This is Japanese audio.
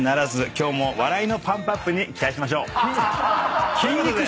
今日も笑いのパンプアップに期待しましょう。